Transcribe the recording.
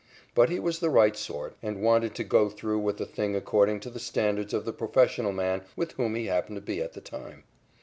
But he was the right sort, and wanted to go through with the thing according to the standards of the professional man with whom he happened to be at the time.